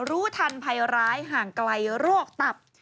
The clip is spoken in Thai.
รู้ทันภัยร้ายห่างไกลโรคตับ